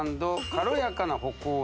「軽やかな歩行へ！」